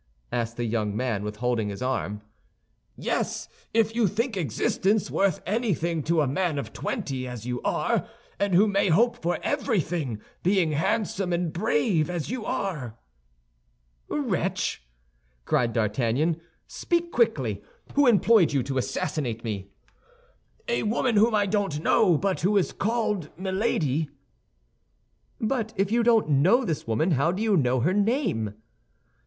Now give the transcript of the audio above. asked the young man, withholding his arm. "Yes; if you think existence worth anything to a man of twenty, as you are, and who may hope for everything, being handsome and brave, as you are." "Wretch," cried D'Artagnan, "speak quickly! Who employed you to assassinate me?" "A woman whom I don't know, but who is called Milady." "But if you don't know this woman, how do you know her name?"